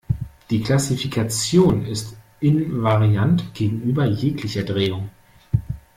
Die Klassifikation ist invariant gegenüber jeglicher Drehung.